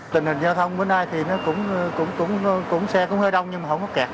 tình hình giao thông bữa nay thì xe cũng hơi đông nhưng không kẹt